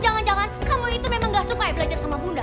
jangan jangan kamu itu memang gak suka ya belajar sama bunda